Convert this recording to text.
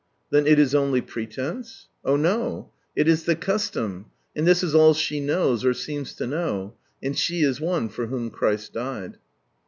"Then it is only pretence?" Oh no. li is the custom. And this is all she knows, or seems to know. And she is one for whom Christ died.